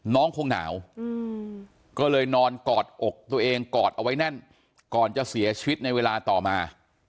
น้องคงหนาวก็เลยนอนกอดอกตัวเองกอดเอาไว้แน่นก่อนจะเสียชีวิตในเวลาต่อมา